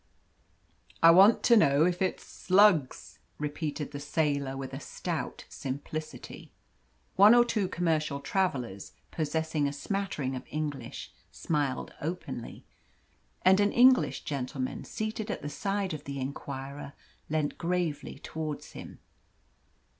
"I want to know if it's slugs," repeated the sailor, with a stout simplicity. One or two commercial travellers, possessing a smattering of English, smiled openly, and an English gentleman seated at the side of the inquirer leant gravely towards him.